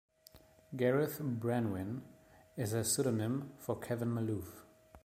"Gareth Branwyn" is a pseudonym for Kevin Maloof.